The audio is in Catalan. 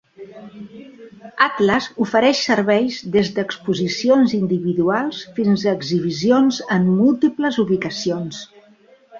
Atlas ofereix serveis des d'exposicions individuals fins a exhibicions en múltiples ubicacions.